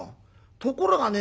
ところがね